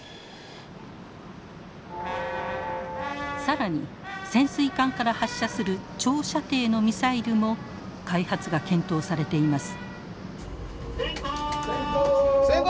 更に潜水艦から発射する長射程のミサイルも開発が検討されています。